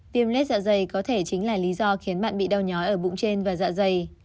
tiêm lết dạ dày có thể chính là lý do khiến bạn bị đau nhói ở bụng trên và dạ dày